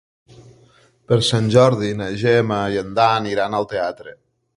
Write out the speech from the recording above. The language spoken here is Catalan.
Per Sant Jordi na Gemma i en Dan iran al teatre.